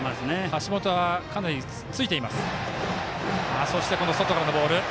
橋本はかなりついています。